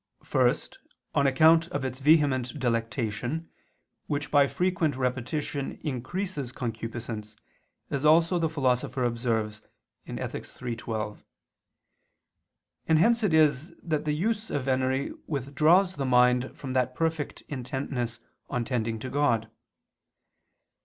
First, on account of its vehement delectation, which by frequent repetition increases concupiscence, as also the Philosopher observes (Ethic. iii, 12): and hence it is that the use of venery withdraws the mind from that perfect intentness on tending to God.